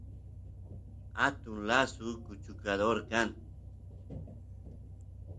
atun lasu kuchukador kan